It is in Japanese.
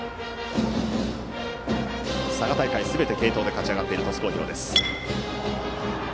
佐賀大会すべて継投で勝ち上がっている鳥栖工業。